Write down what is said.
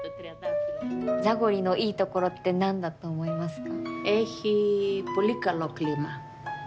ザゴリのいいところって何だと思いますか？